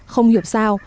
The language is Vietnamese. không hiểu sao